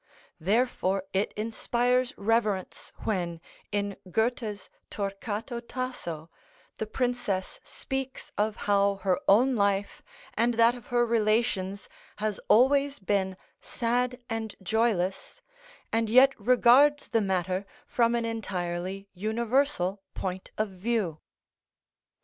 Therefore it inspires reverence when in Goethe's "Torquato Tasso" the princess speaks of how her own life and that of her relations has always been sad and joyless, and yet regards the matter from an entirely universal point of view.